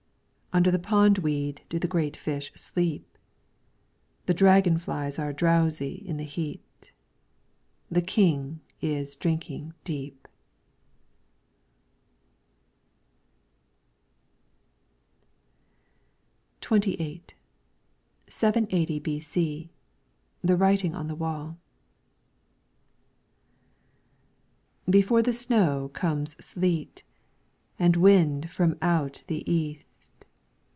Under the pondweed do the great fish sleep ; The dragon flies are drowsy in the heat. The King is drinking deep. 31 LYRICS FROM THE CHINESE XXVIII 780 B.C. 'The writing on the wall.' Before the snow comes sleet, And wind from out the East.